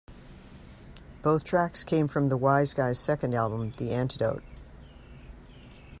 Both tracks came from The Wiseguys second album, "The Antidote".